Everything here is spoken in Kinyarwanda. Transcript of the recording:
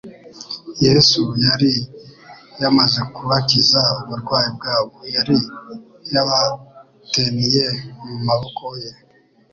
Yesu y°ari yamaze kubakiza uburwayi bwabo, yari yabateniye mu maboko ye,